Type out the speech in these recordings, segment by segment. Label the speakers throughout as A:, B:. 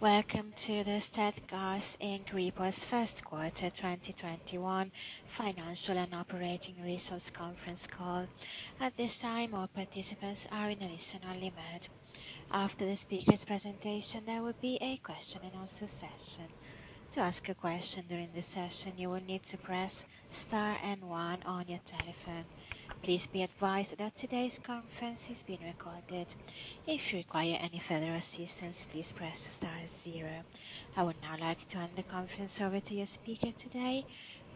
A: Welcome to the StealthGas and V. Board first quarter 2021 financial and operating results conference call. At this time, all participants are in a listen-only mode. After the speaker presentation, there will be a question and answer session. To ask a question during the session, you will need to press star and one on your telephone. Please be advised that today's conference is being recorded. If you require any further assistance, please press star zero. I would now like to turn the conference over to your speaker today,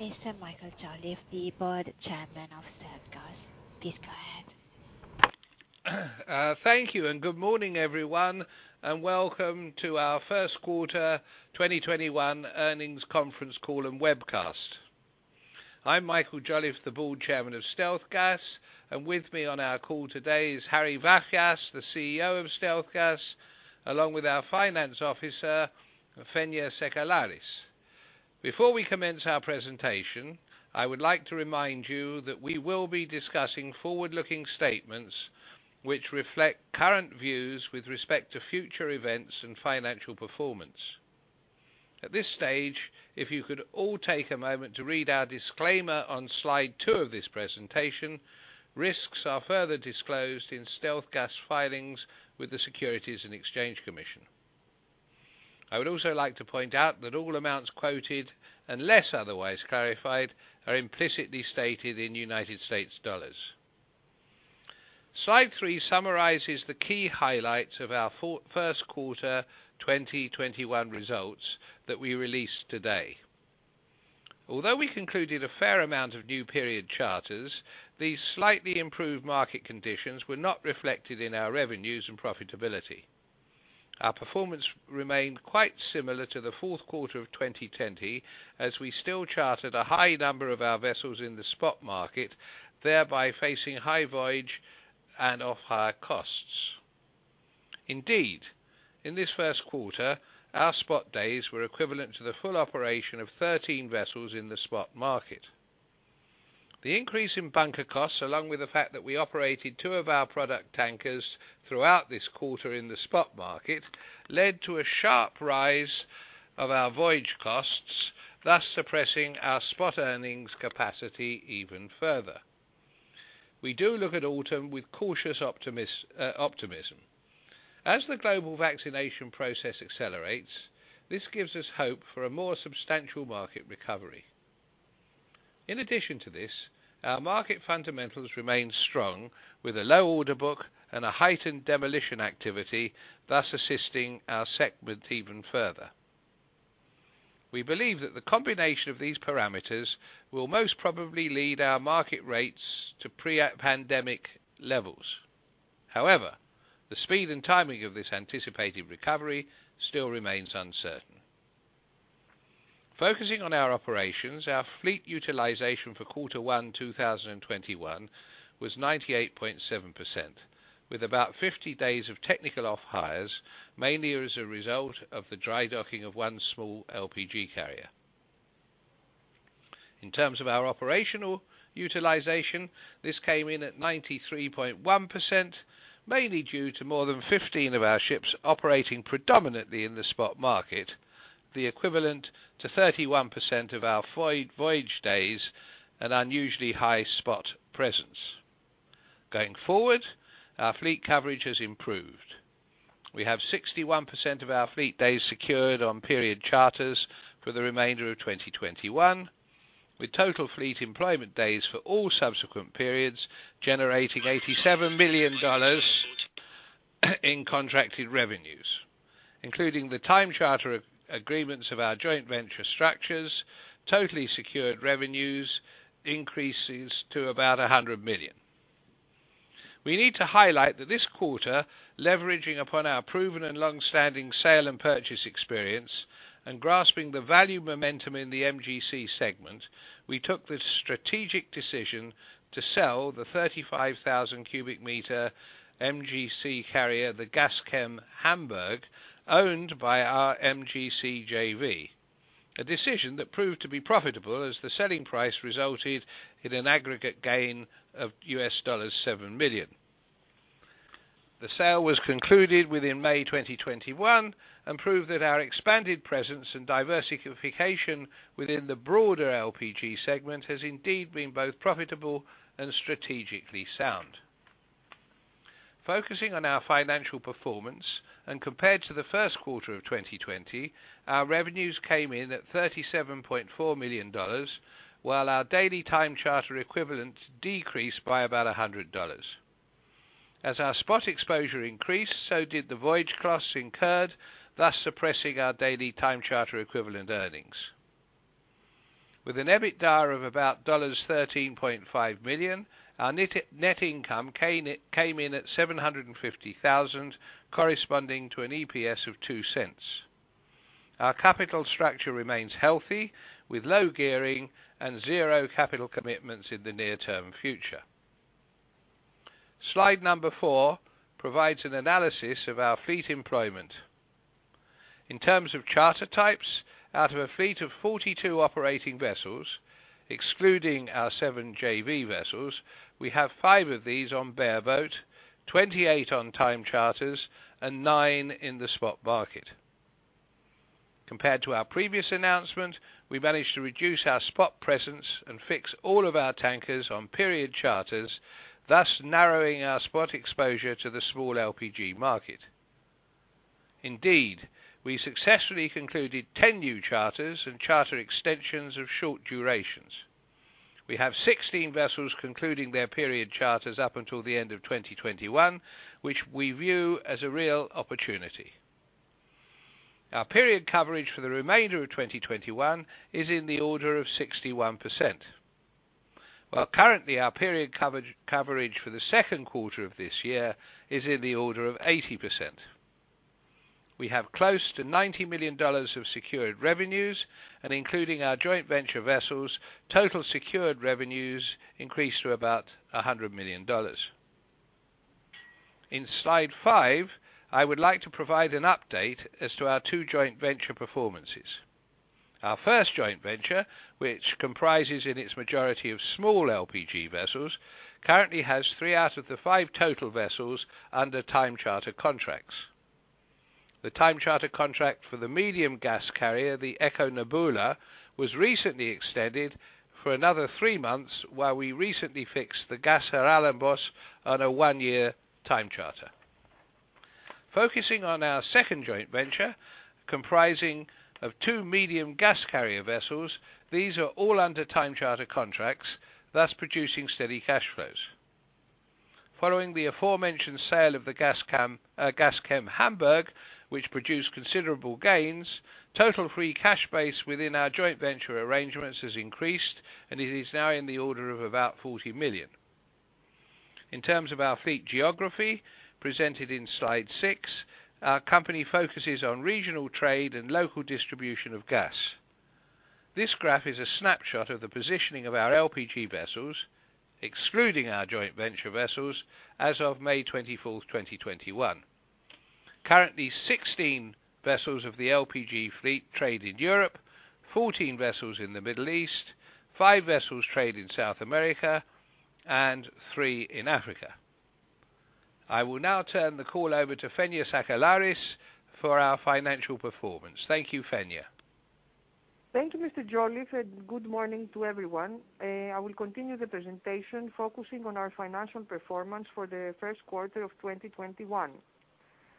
A: Mr. Michael Jolliffe, V. Board Chairman of StealthGas. Please go ahead.
B: Thank you, good morning, everyone, and welcome to our first quarter 2021 earnings conference call and webcast. I'm Michael Jolliffe, the Board Chairman of StealthGas, and with me on our call today is Harry Vafias, the CEO of StealthGas, along with our Finance Officer, Fenia Tsakalaris. Before we commence our presentation, I would like to remind you that we will be discussing forward-looking statements which reflect current views with respect to future events and financial performance. At this stage, if you could all take a moment to read our disclaimer on slide two of this presentation, risks are further disclosed in StealthGas filings with the Securities and Exchange Commission. I would also like to point out that all amounts quoted, unless otherwise clarified, are implicitly stated in U.S. dollars. Slide three summarizes the key highlights of our first quarter 2021 results that we released today. Although we concluded a fair amount of new period charters, these slightly improved market conditions were not reflected in our revenues and profitability. Our performance remained quite similar to the fourth quarter of 2020, as we still chartered a high number of our vessels in the spot market, thereby facing high voyage and off hire costs. Indeed, in this first quarter, our spot days were equivalent to the full operation of 13 vessels in the spot market. The increase in bunker costs, along with the fact that we operated two of our product tankers throughout this quarter in the spot market, led to a sharp rise of our voyage costs, thus suppressing our spot earnings capacity even further. We do look at autumn with cautious optimism. As the global vaccination process accelerates, this gives us hope for a more substantial market recovery. In addition to this, our market fundamentals remain strong with a low order book and a heightened demolition activity, thus assisting our segment even further. We believe that the combination of these parameters will most probably lead our market rates to pre-pandemic levels. The speed and timing of this anticipated recovery still remains uncertain. Focusing on our operations, our fleet utilization for quarter one 2021 was 98.7%, with about 50 days of technical off hires, mainly as a result of the dry docking of one small LPG carrier. In terms of our operational utilization, this came in at 93.1%, mainly due to more than 15 of our ships operating predominantly in the spot market, the equivalent to 31% of our voyage days, an unusually high spot presence. Going forward, our fleet coverage has improved. We have 61% of our fleet days secured on period charters for the remainder of 2021, with total fleet employment days for all subsequent periods generating $87 million in contracted revenues. Including the time charter agreements of our joint venture structures, totally secured revenues increases to about $100 million. We need to highlight that this quarter, leveraging upon our proven and longstanding sale and purchase experience and grasping the value momentum in the MGC segment, we took the strategic decision to sell the 35,000 cubic meter MGC carrier, the GasChem Hamburg, owned by our MGC JV, a decision that proved to be profitable as the selling price resulted in an aggregate gain of $7 million. The sale was concluded within May 2021 and proved that our expanded presence and diversification within the broader LPG segment has indeed been both profitable and strategically sound. Focusing on our financial performance and compared to the first quarter of 2020, our revenues came in at $37.4 million, while our daily time charter equivalent decreased by about $100. As our spot exposure increased, so did the voyage costs incurred, thus suppressing our daily time charter equivalent earnings. With an EBITDA of about $13.5 million, our net income came in at $750,000, corresponding to an EPS of $0.02. Our capital structure remains healthy with low gearing and zero capital commitments in the near-term future. Slide number four provides an analysis of our fleet employment. In terms of charter types, out of a fleet of 42 operating vessels, excluding our seven JV vessels, we have five of these on bareboat, 28 on time charters, and nine in the spot market. Compared to our previous announcement, we managed to reduce our spot presence and fix all of our tankers on period charters, thus narrowing our spot exposure to the small LPG market. Indeed, we successfully concluded 10 new charters and charter extensions of short durations. We have 16 vessels concluding their period charters up until the end of 2021, which we view as a real opportunity. Our period coverage for the remainder of 2021 is in the order of 61%. While currently our period coverage for the second quarter of this year is in the order of 80%. We have close to $90 million of secured revenues and including our joint venture vessels, total secured revenues increased to about $100 million. In slide five, I would like to provide an update as to our two joint venture performances. Our first joint venture, which comprises in its majority of small LPG vessels, currently has three out of the five total vessels under time charter contracts. The time charter contract for the medium gas carrier, the Eco Nebula, was recently extended for another three months while we recently fixed the Gas Haralambos on a one-year time charter. Focusing on our second joint venture comprising of two medium gas carrier vessels, these are all under time charter contracts, thus producing steady cash flows. Following the aforementioned sale of the GasChem Hamburg, which produced considerable gains, total free cash base within our joint venture arrangements has increased, and it is now in the order of about $40 million. In terms of our fleet geography presented in slide six, our company focuses on regional trade and local distribution of gas. This graph is a snapshot of the positioning of our LPG vessels, excluding our joint venture vessels as of May 24th, 2021. Currently, 16 vessels of the LPG fleet trade in Europe, 14 vessels in the Middle East, five vessels trade in South America, and three in Africa. I will now turn the call over to Fenia Tsakalaris for our financial performance. Thank you, Fenia.
C: Thank you, Mr. Jolliffe, and good morning to everyone. I will continue the presentation focusing on our financial performance for the first quarter of 2021.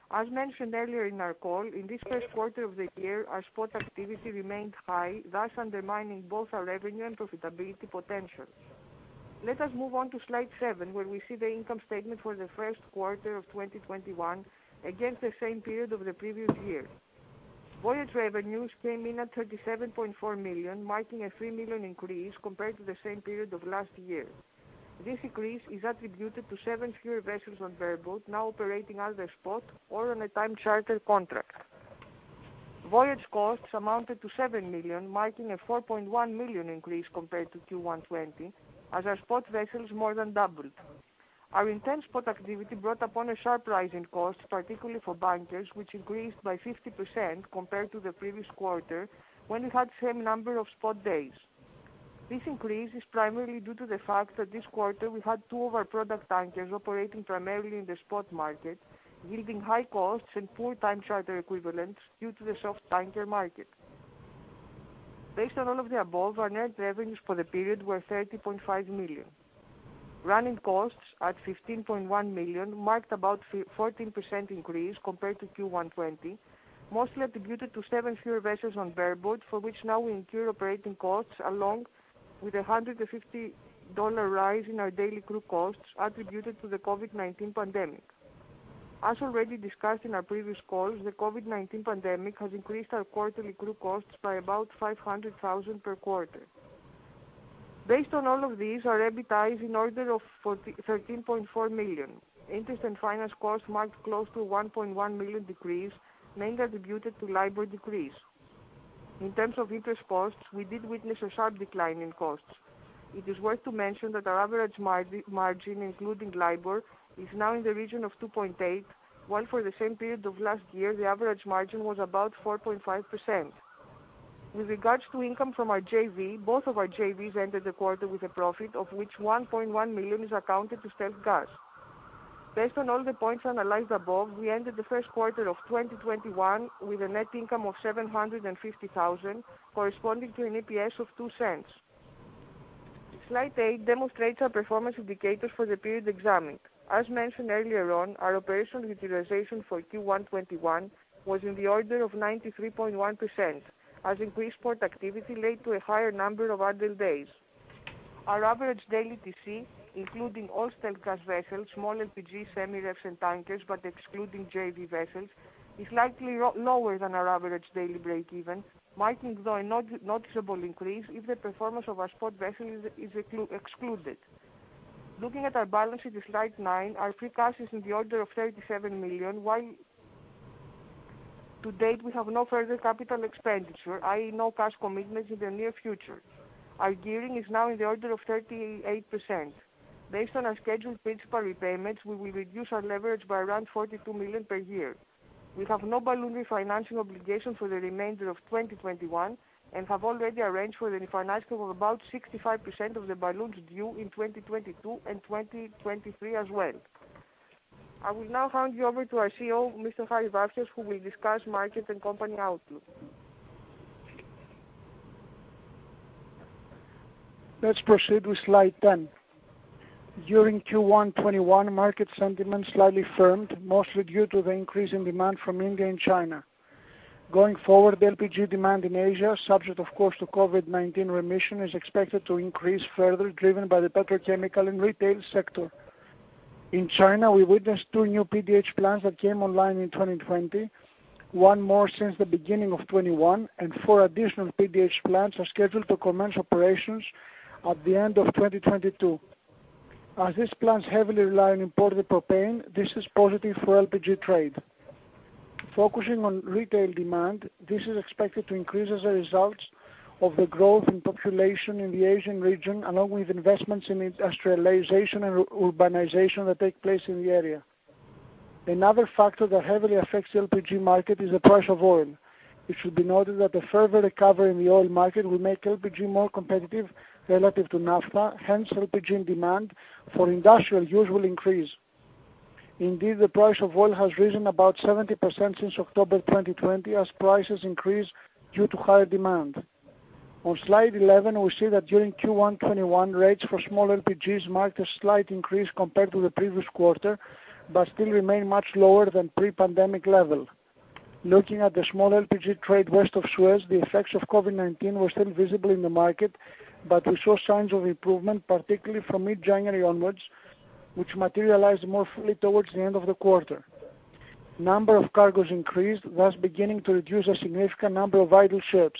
C: As mentioned earlier in our call, in this first quarter of the year, our spot activity remained high, thus undermining both our revenue and profitability potential. Let us move on to slide seven, where we see the income statement for the first quarter of 2021 against the same period of the previous year. Voyage revenues came in at $37.4 million, marking a $3 million increase compared to the same period of last year. This increase is attributed to seven fewer vessels on bareboat now operating out of spot or on a time charter contract. Voyage costs amounted to $7 million, marking a $4.1 million increase compared to Q1 2020 as our spot vessels more than doubled. Our intense spot activity brought upon a sharp rise in costs, particularly for bankers, which increased by 50% compared to the previous quarter when we had the same number of spot days. This increase is primarily due to the fact that this quarter we had two of our product tankers operating primarily in the spot market, yielding high costs and poor time charter equivalents due to the soft tanker market. Based on all of the above, our net revenues for the period were $30.5 million. Running costs at $15.1 million marked about 14% increase compared to Q1 2020, mostly attributed to seven fewer vessels on bareboat for which now we incur operating costs along with $150 rise in our daily crew costs attributed to the COVID-19 pandemic. As already discussed in our previous calls, the COVID-19 pandemic has increased our quarterly group costs by about $500,000 per quarter. Based on all of these, our EBITDA is in order of $13.4 million. Interest and finance costs marked close to $1.1 million decrease, mainly attributed to LIBOR decrease. In terms of interest costs, we did witness a sharp decline in costs. It is worth to mention that our average margin, including LIBOR, is now in the region of 2.8%, while for the same period of last year, the average margin was about 4.5%. With regards to income from our JV, both of our JVs entered the quarter with a profit of which $1.1 million is accounted to StealthGas. Based on all the points analyzed above, we ended the first quarter of 2021 with a net income of $750,000 corresponding to an EPS of $0.02. Slide eight demonstrates our performance indicators for the period examined. As mentioned earlier on, our operational utilization for Q1 2021 was in the order of 93.1%, as increased port activity led to a higher number of idle days. Our average daily TC, including all StealthGas vessels, small LPG, semi-refs, and tankers, but excluding JV vessels, is likely lower than our average daily break even marking though a noticeable increase if the performance of our spot vessel is excluded. Looking at our balance sheet in slide nine, our free cash is in the order of $37 million, while to date we have no further capital expenditure, i.e., no cash commitments in the near future. Our gearing is now in the order of 38%. Based on our scheduled principal repayments, we will reduce our leverage by around $42 million per year. We have no balloon refinancing obligation for the remainder of 2021 and have already arranged for the refinancing of about 65% of the balloons due in 2022 and 2023 as well. I will now hand you over to our CEO, Mr. Harry Vafias, who will discuss market and company outlook.
D: Let's proceed with slide 10. During Q1 2021, market sentiment slightly firmed, mostly due to the increase in demand from India and China. Going forward, LPG demand in Asia, subject of course to COVID-19 remission, is expected to increase further, driven by the petrochemical and retail sector. In China, we witnessed two new PDH plants that came online in 2020, one more since the beginning of 2021, and four additional PDH plants are scheduled to commence operations at the end of 2022. As these plants heavily rely on imported propane, this is positive for LPG trade. Focusing on retail demand, this is expected to increase as a result of the growth in population in the Asian region, along with investments in industrialization and urbanization that take place in the area. Another factor that heavily affects the LPG market is the price of oil. It should be noted that a further recovery in the oil market will make LPG more competitive relative to naphtha, hence LPG demand for industrial use will increase. Indeed, the price of oil has risen about 70% since October 2020 as prices increase due to higher demand. On slide 11, we see that during Q1 2021, rates for small LPGs marked a slight increase compared to the previous quarter, but still remain much lower than pre-pandemic level. Looking at the small LPG trade West of Suez, the effects of COVID-19 were still visible in the market, but we saw signs of improvement, particularly from mid-January onwards, which materialized more fully towards the end of the quarter. Number of cargoes increased, thus beginning to reduce a significant number of idle ships.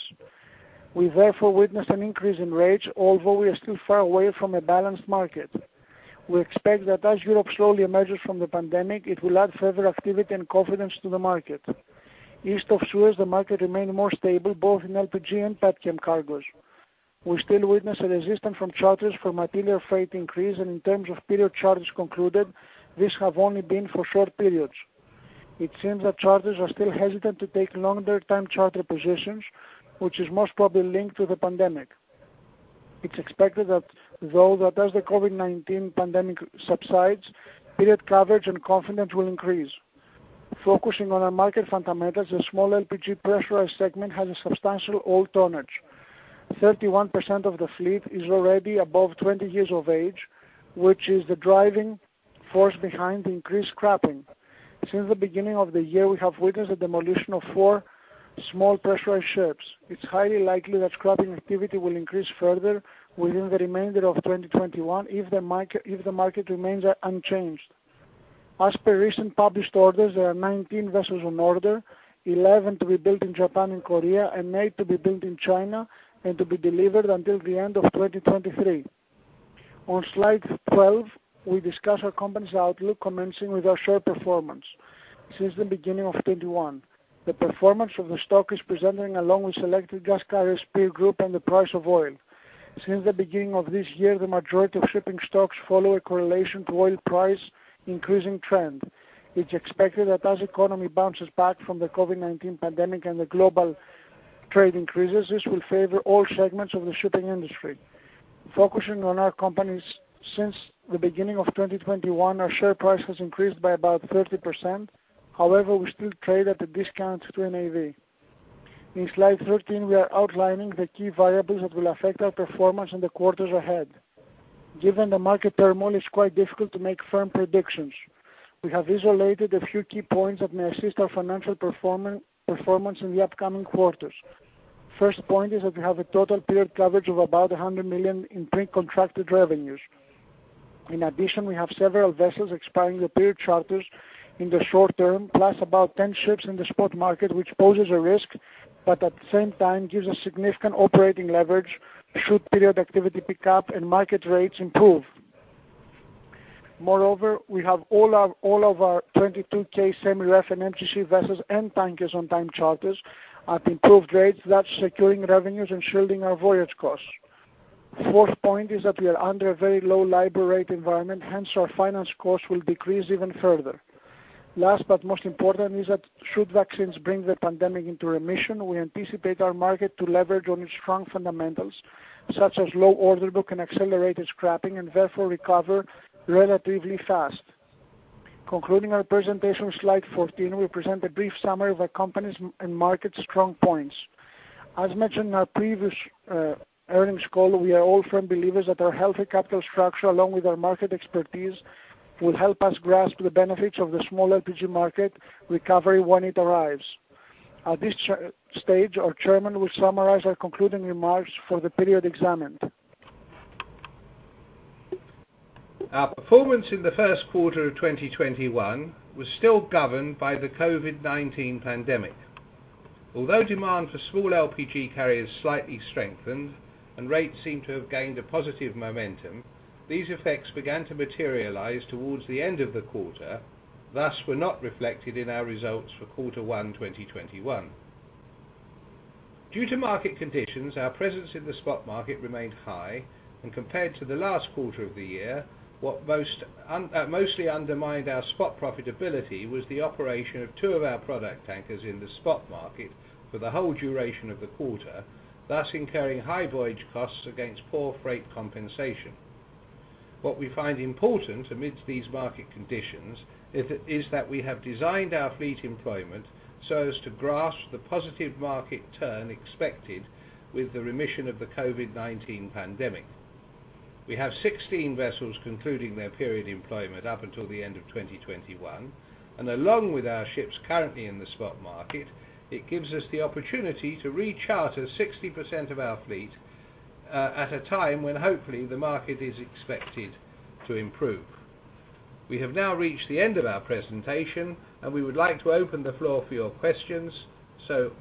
D: We therefore witnessed an increase in rates, although we are still far away from a balanced market. We expect that as Europe slowly emerges from the pandemic, it will add further activity and confidence to the market. East of Suez, the market remained more stable, both in LPG and petchem cargoes. We still witness a resistance from charterers for material freight increase, and in terms of period charters concluded, these have only been for short periods. It seems that charterers are still hesitant to take longer-term charter positions, which is most probably linked to the pandemic. It's expected, though, that as the COVID-19 pandemic subsides, period coverage and confidence will increase. Focusing on the market fundamentals, the small LPG pressurized segment has a substantial old tonnage. 31% of the fleet is already above 20 years of age, which is the driving force behind the increased scrapping. Since the beginning of the year, we have witnessed the demolition of four small pressurized ships. It's highly likely that scrapping activity will increase further within the remainder of 2021 if the market remains unchanged. As per recent published orders, there are 19 vessels on order, 11 to be built in Japan and Korea, and eight to be built in China and to be delivered until the end of 2023. On slide 12, we discuss our company's outlook, commencing with our share performance. Since the beginning of 2021, the performance of the stock is presented along with selected gas carrier peer group and the price of oil. Since the beginning of this year, the majority of shipping stocks follow a correlation to oil price increasing trend. It's expected that as economy bounces back from the COVID-19 pandemic and the global trade increases, this will favor all segments of the shipping industry. Focusing on our company, since the beginning of 2021, our share price has increased by about 30%. However, we still trade at a discount to NAV. In slide 13, we are outlining the key variables that will affect our performance in the quarters ahead. Given the market turmoil, it's quite difficult to make firm predictions. We have isolated a few key points that may assist our financial performance in the upcoming quarters. First point is that we have a total period coverage of about $100 million in pre-contracted revenues. We have several vessels expiring their period charters in the short term, plus about 10 ships in the spot market, which poses a risk, but at the same time gives a significant operating leverage should period activity pick up and market rates improve. We have all of our 22K semi-ref and MGC vessels and tankers on time charters at improved rates, thus securing revenues and shielding our voyage costs. Fourth point is that we are under a very low LIBOR rate environment, hence our finance costs will decrease even further. Should vaccines bring the pandemic into remission, we anticipate our market to leverage on its strong fundamentals, such as low order book and accelerated scrapping, and therefore recover relatively fast. Slide 14, we present a brief summary of our company's and market's strong points. As mentioned in our previous earnings call, we are all firm believers that our healthy capital structure along with our market expertise will help us grasp the benefits of the small LPG market recovery when it arrives. At this stage, our chairman will summarize our concluding remarks for the period examined.
B: Our performance in the first quarter of 2021 was still governed by the COVID-19 pandemic. Although demand for small LPG carriers slightly strengthened and rates seem to have gained a positive momentum, these effects began to materialize towards the end of the quarter, thus were not reflected in our results for quarter one 2021. Due to market conditions, our presence in the spot market remained high, and compared to the last quarter of the year, what mostly undermined our spot profitability was the operation of two of our product tankers in the spot market for the whole duration of the quarter, thus incurring high voyage costs against poor freight compensation. What we find important amidst these market conditions is that we have designed our fleet employment so as to grasp the positive market turn expected with the remission of the COVID-19 pandemic. We have 16 vessels concluding their period employment up until the end of 2021, and along with our ships currently in the spot market, it gives us the opportunity to re-charter 60% of our fleet at a time when hopefully the market is expected to improve. We have now reached the end of our presentation, and we would like to open the floor for your questions.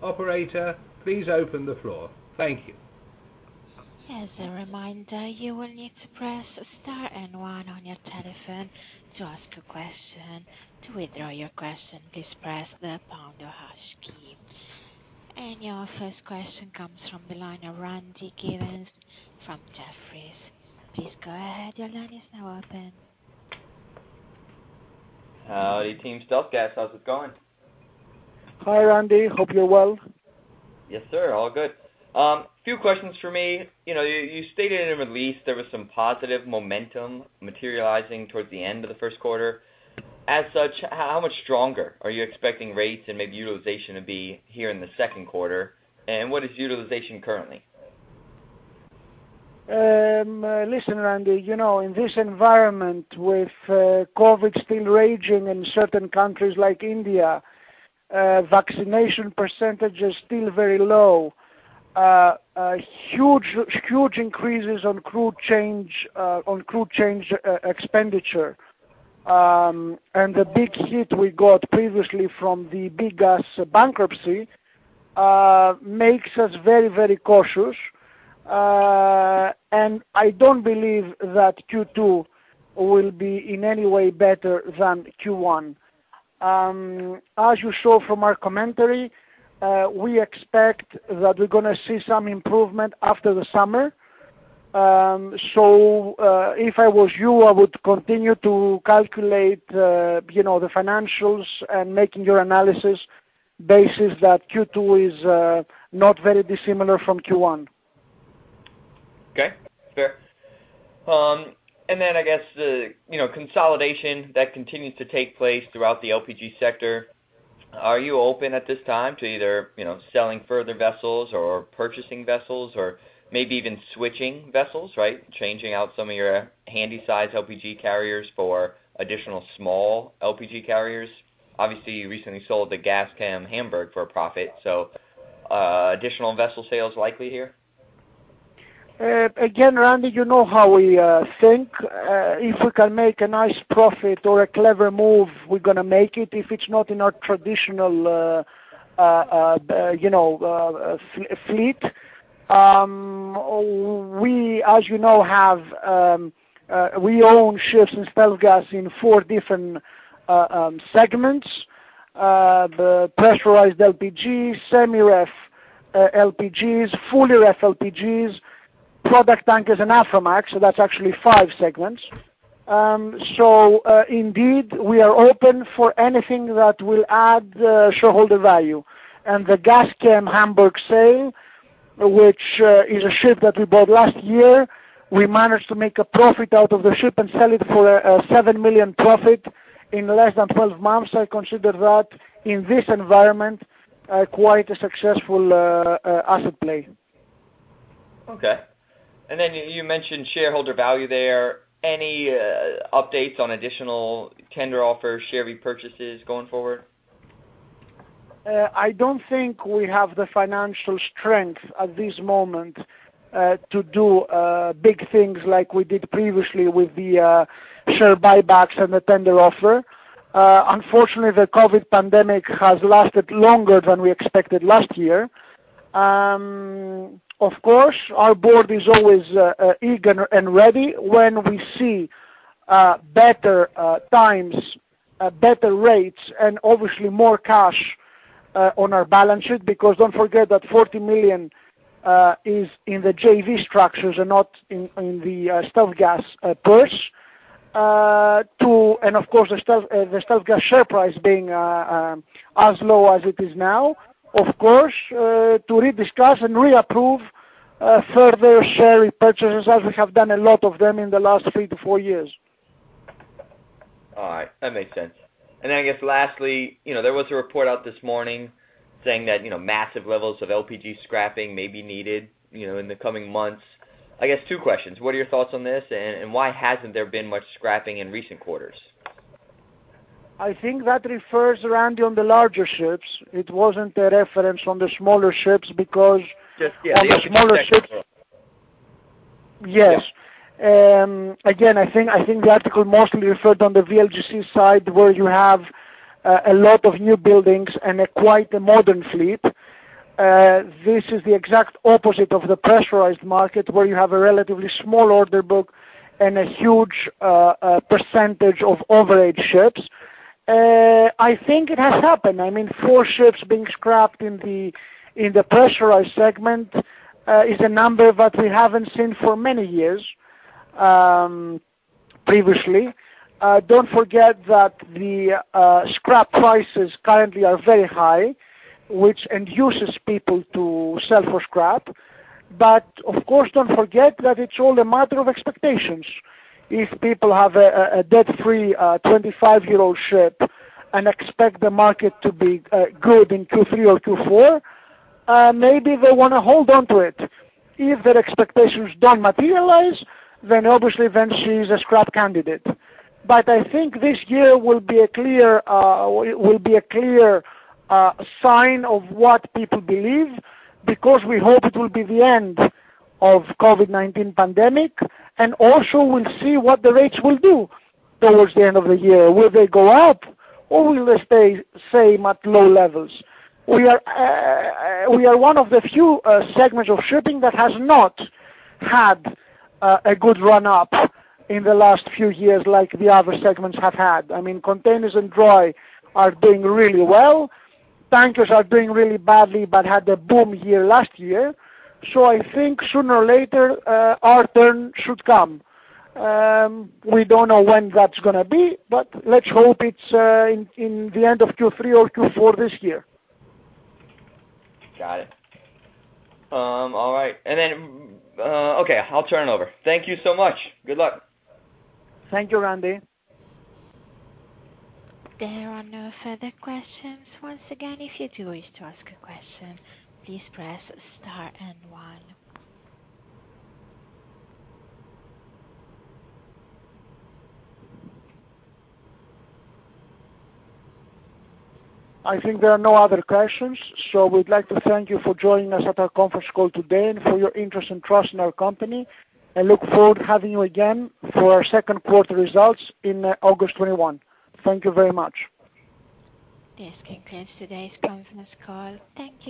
B: Operator, please open the floor. Thank you.
A: Your first question comes from the line of Randy Giveans from Jefferies.
E: How are you, team StealthGas? How's it going?
D: Hi, Randy. Hope you're well.
E: Yes, sir, all good. Few questions from me. You stated in the release there was some positive momentum materializing towards the end of the first quarter. As such, how much stronger are you expecting rates and maybe utilization to be here in the second quarter? What is utilization currently?
D: Listen, Randy, in this environment with COVID still raging in certain countries like India, vaccination percentage is still very low. Huge increases on crude change expenditure. The big hit we got previously from the big gas bankruptcy makes us very cautious. I don't believe that Q2 will be in any way better than Q1. As you saw from our commentary, we expect that we're going to see some improvement after the summer. If I was you, I would continue to calculate the financials and making your analysis basis that Q2 is not very dissimilar from Q1.
E: Okay, fair. Then I guess the consolidation that continues to take place throughout the LPG sector, are you open at this time to either selling further vessels or purchasing vessels or maybe even switching vessels? Changing out some of your handy size LPG carriers for additional small LPG carriers. Obviously, you recently sold the GasChem Hamburg for a profit. Additional vessel sales likely here?
D: Again, Randy, you know how we think. If we can make a nice profit or a clever move, we're going to make it. If it's not in our traditional fleet. We own ships in StealthGas in four different segments: the pressurized LPG, semi-ref LPGs, full ref LPGs, product tankers and Aframax, so that's actually five segments. Indeed, we are open for anything that will add shareholder value. The GasChem Hamburg sale, which is a ship that we bought last year, we managed to make a profit out of the ship and sell it for a $7 million profit in less than 12 months. I consider that, in this environment, quite a successful asset play.
E: Okay. You mentioned shareholder value there. Any updates on additional tender offers, share repurchases going forward?
D: I don't think we have the financial strength at this moment to do big things like we did previously with the share buybacks and the tender offer. Unfortunately, the COVID pandemic has lasted longer than we expected last year. Of course, our board is always eager and ready when we see better times, better rates, and obviously more cash on our balance sheet, because don't forget that $40 million is in the JV structures and not in the StealthGas purse. Of course, the StealthGas share price being as low as it is now, of course, to rediscuss and reapprove further share repurchases as we have done a lot of them in the last three to four years.
E: All right, that makes sense. I guess lastly, there was a report out this morning saying that massive levels of LPG scrapping may be needed in the coming months. I guess two questions. What are your thoughts on this, and why hasn't there been much scrapping in recent quarters?
D: I think that refers, Randy, on the larger ships. It wasn't a reference on the smaller ships because.
E: Just, yeah.
D: on the smaller ships. Yes. I think the article mostly referred on the VLGC side, where you have a lot of new buildings and quite a modern fleet. This is the exact opposite of the pressurized market, where you have a relatively small order book and a huge percentage of overaged ships. I think it has happened. Four ships being scrapped in the pressurized segment is a number that we haven't seen for many years previously. Don't forget that the scrap prices currently are very high, which induces people to sell for scrap. Of course, don't forget that it's all a matter of expectations. If people have a debt-free 25-year-old ship and expect the market to be good in Q3 or Q4, maybe they want to hold on to it. If their expectations don't materialize, then obviously she is a scrap candidate. I think this year will be a clear sign of what people believe because we hope it will be the end of COVID-19 pandemic, and also we'll see what the rates will do towards the end of the year. Will they go up or will they stay same at low levels? We are one of the few segments of shipping that has not had a good run-up in the last few years like the other segments have had. Containers and dry are doing really well. Tankers are doing really badly but had a boom year last year. I think sooner or later, our turn should come. We don't know when that's going to be, but let's hope it's in the end of Q3 or Q4 this year.
E: Got it. All right. Okay, I'll turn over. Thank you so much. Good luck.
D: Thank you, Randy.
A: There are no further questions. Once again, if you do wish to ask a question, please press star and one.
D: I think there are no other questions, so we'd like to thank you for joining us at our conference call today and for your interest and trust in our company, and look forward to having you again for our second quarter results in August 21. Thank you very much.
A: This concludes today's conference call. Thank you.